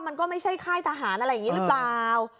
มันก็ไม่ใช่แค่ทหารอะไรแบบนี้หรือเปล่า